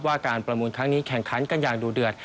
การประมูลครั้งนี้แข่งขันกันอย่างดูเดือด